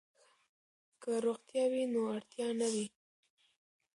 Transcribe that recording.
که روغتیا وي نو اړتیا نه وي.